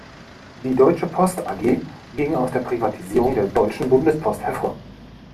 Die deutsche Post A-G ging aus der Privatisierung der deutschen Bundespost hervor.